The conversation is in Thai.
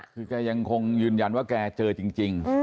คือแกยังคงยืนยันว่าแกเจอจริง